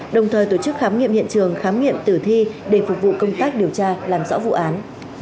đồng thời tổ chức khám nghiệm hiện trường khám nghiệm tử thi để phục vụ công tác điều tra làm rõ vụ án